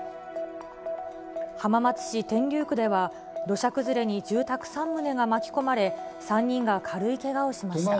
浜松市天竜区では、土砂崩れに住宅３棟が巻き込まれ、３人が軽いけがをしました。